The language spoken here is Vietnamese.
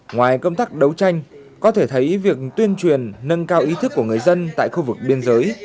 ngoài công tác đấu tranh có thể thấy việc tuyên truyền nâng cao ý thức của người dân tại khu vực biên giới